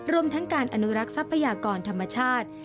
รวมทั้งการอนุรักษ์ทรัพยากรธรรมชาติ